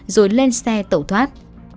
rồi lên xe tẩu thoát